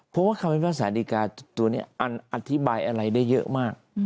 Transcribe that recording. เพราะว่าคำวิทยาศาสตร์ศาสตร์ดีการ์ตัวนี้อธิบายอะไรได้เยอะมาก